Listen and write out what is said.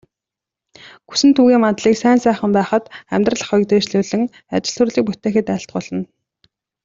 Гүсэнтүгийн мандлыг сайн сайхан байхад, амьдрал ахуйг дээшлүүлэн, ажил төрлийг бүтээхэд айлтгуулна.